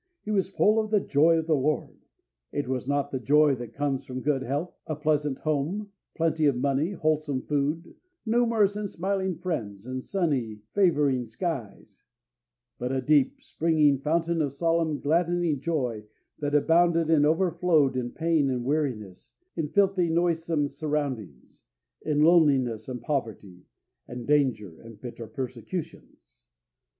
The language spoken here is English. He was full of the joy of the Lord. It was not the joy that comes from good health, a pleasant home, plenty of money, wholesome food, numerous and smiling friends, and sunny, favouring skies; but a deep, springing fountain of solemn, gladdening joy that abounded and overflowed in pain and weariness, in filthy, noisome surroundings, in loneliness and poverty, and danger and bitter persecutions.